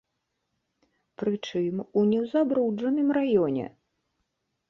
Прычым у не ў забруджаным раёне!